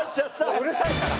「もううるさいから」